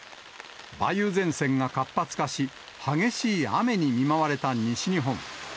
梅雨前線が活発化し、激しい雨に見舞われた西日本。